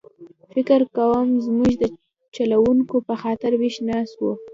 فکر کووم زموږ د چلوونکي په خاطر ویښ ناست و.